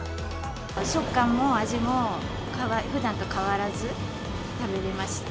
食感も味もふだんと変わらず食べれました。